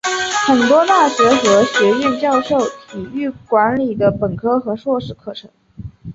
很多大学和学院教授体育管理的本科和硕士课程。